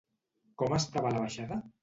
Com estava la baixada?